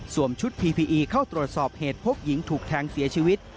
ชุดพีพีอีเข้าตรวจสอบเหตุพบหญิงถูกแทงเสียชีวิต